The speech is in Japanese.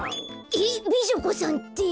えっ美女子さんって？